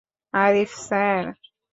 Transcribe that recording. Arif, sir.